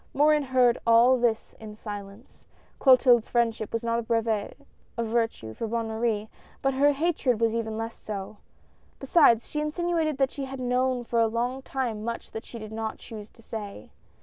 Morin heard all this in silence. Clotilde's friendship was not a brevet of virtue for Bonne Marie, but her hatred was even less so. Besides, she insinuated that she had known for a long time much that she did not choose to say.